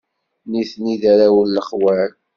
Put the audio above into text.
Nitni d arraw n lexwal.